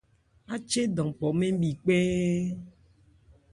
Achédan pɔ mɛ́n bhi kpɛ́ɛ́n.